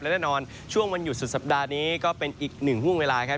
และแน่นอนช่วงวันหยุดสุดสัปดาห์นี้ก็เป็นอีกหนึ่งห่วงเวลาครับ